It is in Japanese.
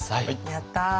やった！